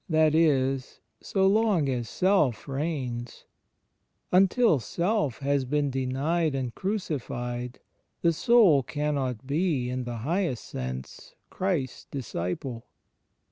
That is, so long as Self reigns, until Self has been denied and crucified, the soul cannot be, in the highest sense, Christ's disciple.